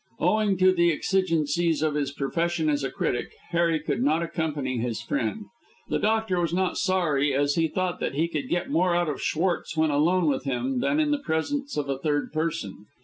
Owing to the exigencies of his profession as critic, Harry could not accompany his friend. The doctor was not sorry, as he thought that he could get more out of Schwartz when alone with him than in the presence of a third person.